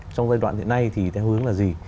trong giai đoạn hiện nay thì theo hướng là gì